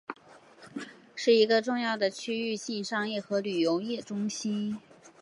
是一个重要的区域性商业和旅游业中心。